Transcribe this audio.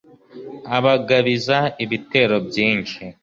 abagabiza ibitero byinshi